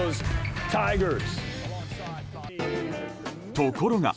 ところが。